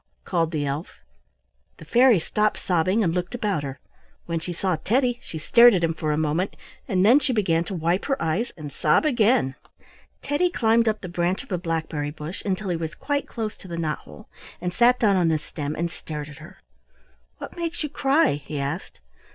called the elf. The fairy stopped sobbing and looked about her. When she saw Teddy she stared at him for a moment and then she began to wipe her eyes and sob again. Teddy climbed up the branch of a blackberry bush until he was quite close to the knot hole, and sat down on the stem and stared at her. "What makes you cry?" he asked.